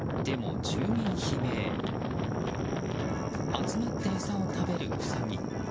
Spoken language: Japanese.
集まって餌を食べるウサギ。